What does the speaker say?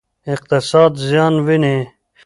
اقتصاد زیان ویني.